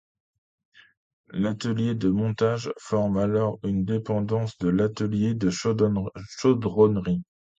L'atelier de montage forme alors une dépendance de l'atelier de chaudronnerie.